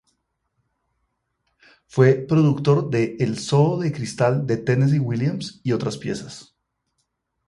Fue productor de El zoo de cristal de Tennessee Williams y otras piezas.